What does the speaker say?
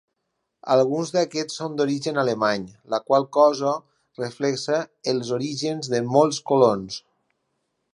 Alguns d'aquests són d'origen alemany, la qual cosa reflexa els orígens de molts colons.